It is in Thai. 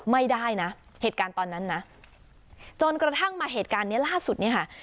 ไม่ได้นะเหตุการณ์ตอนนั้นนะจนกระทั่งมาเหตุการณ์เนี้ยล่าสุดเนี่ยค่ะ